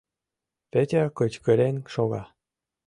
Петя кычкырен шога.